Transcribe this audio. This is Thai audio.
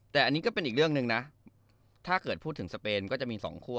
แต่อันนี้ก็เป็นอีกเรื่องหนึ่งนะถ้าเกิดพูดถึงสเปนก็จะมีสองคั่ว